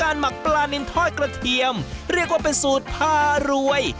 เรียกว่าเป็นสูตรภารวย